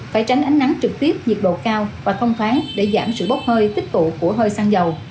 phải tránh ánh nắng trực tiếp nhiệt độ cao và thông thoáng để giảm sự bốc hơi tích tụ của hơi xăng dầu